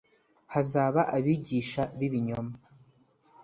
hazaba abigisha b ibinyoma